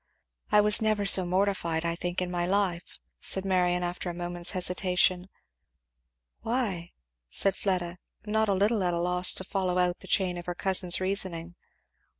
I never was so mortified, I think, in my life," said Marion after a moment's hesitation. "Why?" said Fleda, not a little at a loss to follow out the chain of her cousin's reasoning.